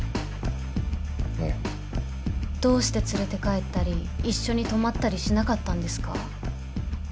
ええ。どうして連れて帰ったり一緒に泊まったりしなかったんですか？